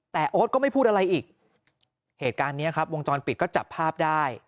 แต่โอ๊ตก็ไม่พูดอะไรอีกเหตุการณ์เนี้ยครับวงจรปิดก็จับภาพได้